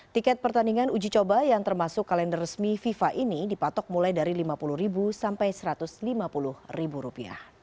tiket pertandingan uji coba yang termasuk kalender resmi fifa ini dipatok mulai dari rp lima puluh sampai rp satu ratus lima puluh